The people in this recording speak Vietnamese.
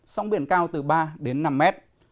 sóng biển cao từ ba đến năm mét